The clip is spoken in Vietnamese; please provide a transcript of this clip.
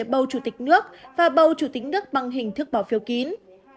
bầu chủ tịch nước và bầu chủ tịch nước bằng hình thức bỏ phiêu kín